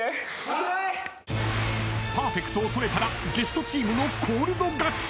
［パーフェクトを取れたらゲストチームのコールド勝ち］